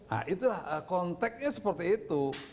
nah itulah konteknya seperti itu